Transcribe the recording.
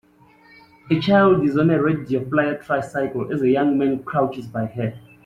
A child is on a Radio Flyre tricycle as a young man crouches by her.